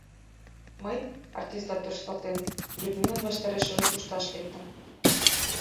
Мый, артистла тӧршталтен, Людмилан ваштарешыже кушташ лектым.